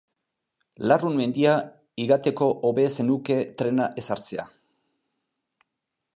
Larrun mendia igateko hobe zenuke trena ez hartzea.